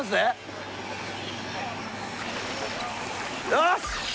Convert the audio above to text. よし！